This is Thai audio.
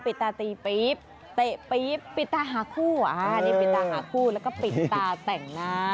ปิดตาตีตื่ปีกต้นปุ๊บเป็นปุ๊บและเปิดตาหาคู่และปิดตาแต่งหน้า